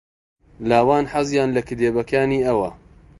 لاوان حەزیان لە کتێبەکانی ئەوە.